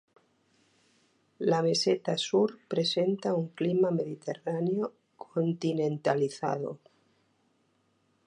La Meseta Sur presenta un clima mediterráneo continentalizado.